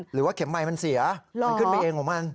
หรือว่าเข็มไมค์มันเสียขึ้นไปเองผมมั่ง